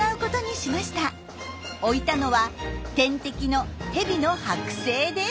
置いたのは天敵のヘビのはく製です。